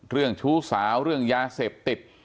ชู้สาวเรื่องยาเสพติด